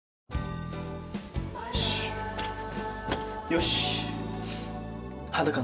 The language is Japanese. よし。